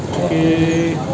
ok terima kasih